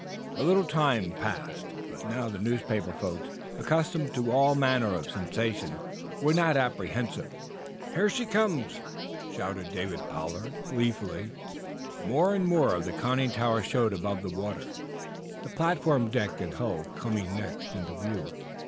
A little time passed, but now the newspaper folks, accustomed to all manner of sensations, were not apprehensive. "Here she comes!" shouted David Pollard, gleefully. More and mote of the conning tower showed above the water, the platform deck and hull coming next into view.